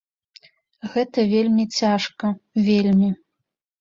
Гэта вельмі цяжка, вельмі.